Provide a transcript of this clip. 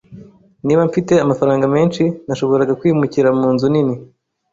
Niba mfite amafaranga menshi, nashoboraga kwimukira munzu nini.